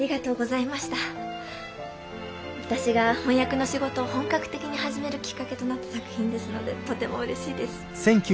私が翻訳の仕事を本格的に始めるきっかけとなった作品ですのでとてもうれしいです。